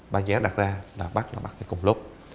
bác giáo đặt ra là bắt là bắt cùng lúc